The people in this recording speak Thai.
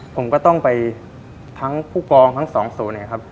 ผมก็ต้องไปทั้งผู้กองทั้งสองศูนย์นะครับ